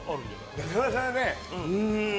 中村さんはね